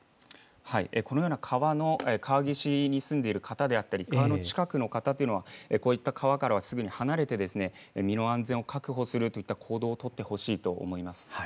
このような川岸に住んでいる方であったり、川の近くの方はこういった川からはすぐに離れて、身の安全を確保するといった行動を取ってほしいと思います。